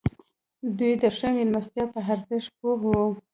دوی د ښې مېلمستیا په ارزښت پوه وو.